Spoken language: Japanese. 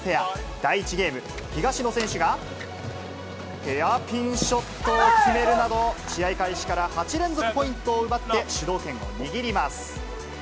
第１ゲーム、東野選手が、ヘアピンショットを決めるなど、試合開始から８連続ポイントを奪って、主導権を握ります。